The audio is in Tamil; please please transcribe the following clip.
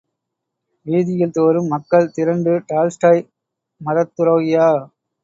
வீதிகள் தோறும் மக்கள் திரண்டு டால்ஸ்டாய் மதத்துரோகியா!